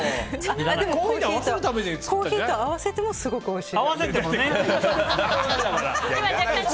コーヒーと合わせてもおいしいです。